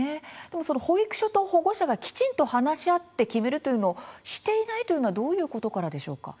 その、保育所と保護者がきちんと話し合って決めるのというのをしていないというのはどういうことからでしょうか？